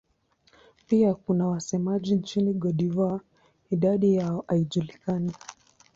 Pia kuna wasemaji nchini Cote d'Ivoire; idadi yao haijulikani.